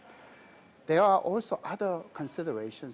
pertanyaan lain yang harus dilakukan